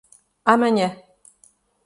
Amanhã